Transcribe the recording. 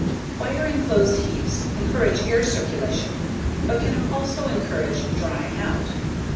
Wire enclosed heaps encourage air circulation, but can also encourage drying out.